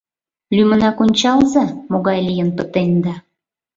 Лӱмынак ончалза, могай лийын пытенда!